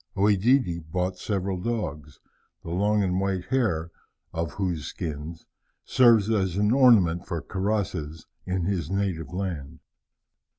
OEdidi bought several dogs, the long and white hair of whose skins serves as an ornament for cuirasses in his native land.